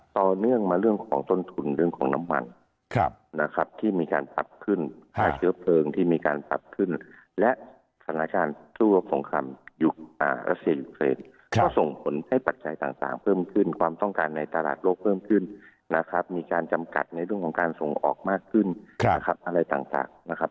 ต่อเนื่องมาเรื่องของต้นทุนเรื่องของน้ำมันนะครับที่มีการปรับขึ้นค่าเชื้อเพลิงที่มีการปรับขึ้นและสถานการณ์ทั่วสงครามยุครัสเซียยูเครนก็ส่งผลให้ปัจจัยต่างเพิ่มขึ้นความต้องการในตลาดโลกเพิ่มขึ้นนะครับมีการจำกัดในเรื่องของการส่งออกมากขึ้นนะครับอะไรต่างนะครับ